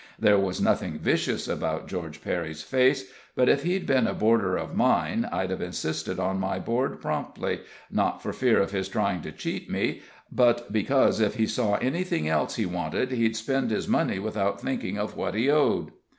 There was nothing vicious about George Perry's face, but if he'd been a boarder of mine, I'd have insisted on my board promptly not for fear of his trying to cheat me, but because if he saw anything else he wanted, he'd spend his money without thinking of what he owed.